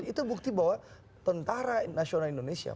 itu bukti bahwa tentara nasional indonesia